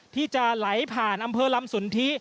ที่จะไหลผ่านอำเภอลำสนทิ